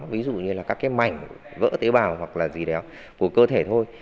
ví dụ như là các cái mảnh vỡ tế bào hoặc là gì đéo của cơ thể thôi